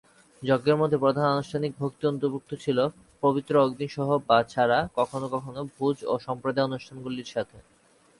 যজ্ঞের মধ্যে প্রধান আনুষ্ঠানিক ভক্তি অন্তর্ভুক্ত ছিল, পবিত্র অগ্নি সহ বা ছাড়া, কখনও কখনও ভোজ ও সম্প্রদায়ের অনুষ্ঠানগুলির সাথে।